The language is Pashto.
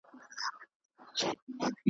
د ارواښاد دوکتور محمودي